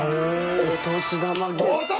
お年玉ゲット。